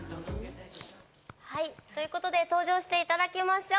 ということで、登場していただきましょう！